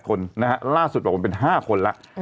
เป็น๘คนนะฮะล่าสุดผมเป็น๕คนละ